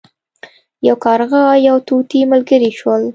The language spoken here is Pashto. یو کارغه او یو طوطي ملګري شول.